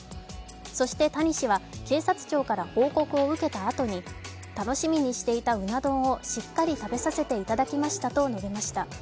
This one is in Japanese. そして谷氏は警察庁から報告を受けたあとに楽しみにしていたうな丼をしっかり食べさせていただきましたと述べました。